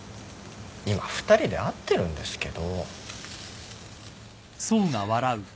今２人で会ってるんですけど。